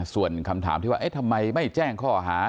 ส่วนคำถามที่ว่าทำไมไม่แจ้งข้อหา